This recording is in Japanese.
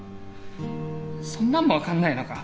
そんなんも分かんないのか？